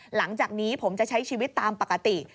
หลังจากนี้ผมจะใช้ชีวิตตามปกติ